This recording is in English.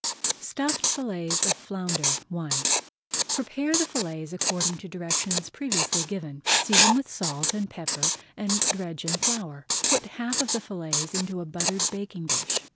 STUFFED FILLETS OF FLOUNDER I Prepare the fillets according to directions [Page 146] previously given, season with salt and pepper, and dredge with flour. Put half of the fillets into a buttered baking dish.